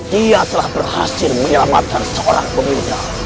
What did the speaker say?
dia telah berhasil menyelamatkan seorang peminjam